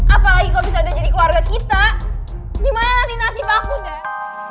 apalagi kalau bisa udah jadi keluarga kita gimana nanti nasib aku deh